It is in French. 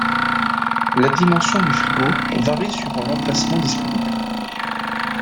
la dimension du frigo varie suivant l'emplacement disponible